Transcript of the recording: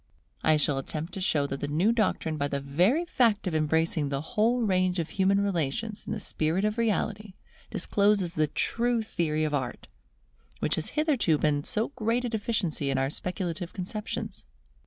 I shall attempt to show that the new doctrine by the very fact of embracing the whole range of human relations in the spirit of reality, discloses the true theory of Art, which has hitherto been so great a deficiency in our speculative conceptions.